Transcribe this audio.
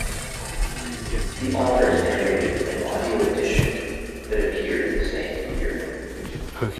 The authors narrated an audio edition that appeared the same year.